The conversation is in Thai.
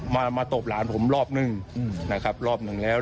มาตบหลานผมรอบหนึ่งนะครับรอบหนึ่งแล้ว